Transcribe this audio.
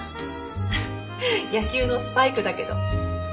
フフッ野球のスパイクだけど。